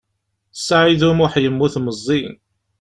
Saɛid U Muḥ yemmut meẓẓi.